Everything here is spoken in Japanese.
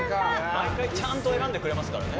毎回ちゃんと選んでくれますからね。